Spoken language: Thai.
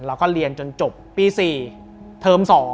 เราก็เรียนจนจบปี๔เทิม๒